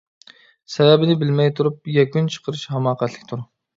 سەۋەبنى بىلمەي تۇرۇپ، يەكۈن چىقىرىش ھاماقەتلىكتۇر.